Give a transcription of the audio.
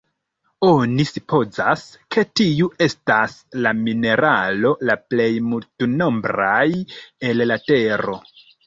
Oni supozas, ke tiu estas la mineralo la plej multnombraj el la tero.